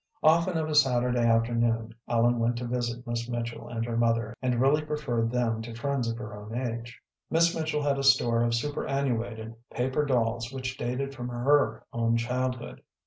Often of a Saturday afternoon Ellen went to visit Miss Mitchell and her mother, and really preferred them to friends of her own age. Miss Mitchell had a store of superannuated paper dolls which dated from her own childhood.